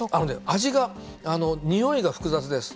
味がにおいが複雑です。